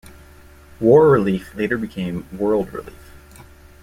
War Relief later became World Relief.